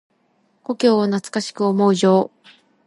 故郷を懐かしく思う情。